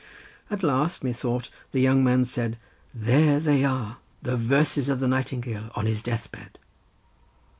At last, methought, the young man said—"There they are, the verses of the Nightingale, on his death bed."